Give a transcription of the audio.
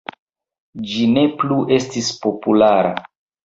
Ĝi ne plu estis populara.